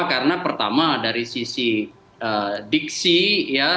karena pertama dari sisi diksi ya